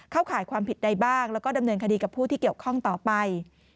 ข่ายความผิดใดบ้างแล้วก็ดำเนินคดีกับผู้ที่เกี่ยวข้องต่อไป